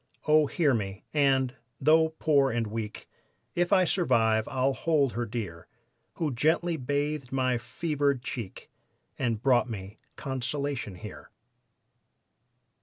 "Oh, hear me, and, though poor and weak, If I survive I'll hold her dear, Who gently bathed my fevered cheek And brought me consolation here."